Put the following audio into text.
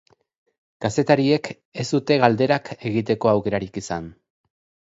Kazetariek ez dute galderak egiteko aukerarik izan.